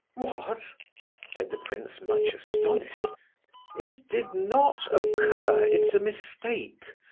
"What?" said the prince, much astonished. "It did not occur—it's a mistake!"